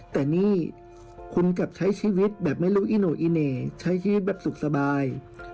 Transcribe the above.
แต่นี่คุณกลับใช้ชีวิตแบบไม่รู้อีโน่อีเหน่ใช้ชีวิตแบบสุขสบาย